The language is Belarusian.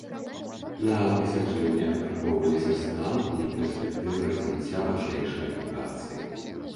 На пасяджэнні абмяркоўваліся стан і перспектывы развіцця вышэйшай адукацыі.